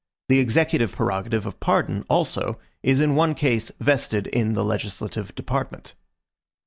The executive prerogative of pardon, also, is in one case vested in the legislative department.